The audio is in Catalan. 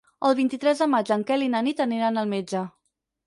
El vint-i-tres de maig en Quel i na Nit aniran al metge.